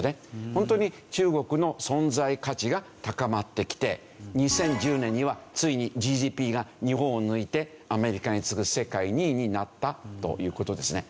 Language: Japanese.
ホントに中国の存在価値が高まってきて２０１０年にはついにＧＤＰが日本を抜いてアメリカに次ぐ世界２位になったという事ですね。